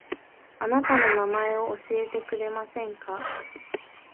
あなたの名前を教えてくれませんか